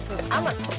udah aman kok